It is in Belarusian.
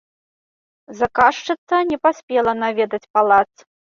Заказчыца не паспела наведаць палац.